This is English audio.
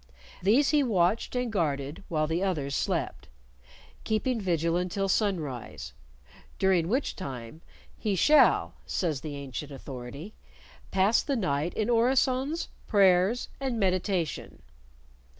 These he watched and guarded while the others slept, keeping vigil until sunrise, during which time "he shall," says the ancient authority, "pass the night in orisons, prayers, and meditation."